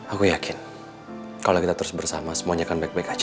aku yakin kalau kita terus bersama semuanya kan baik baik aja